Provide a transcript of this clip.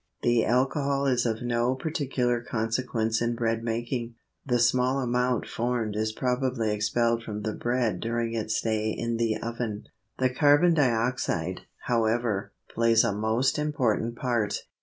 The alcohol is of no particular consequence in bread making, the small amount formed is probably expelled from the bread during its stay in the oven. The carbon dioxide, however, plays a most important part.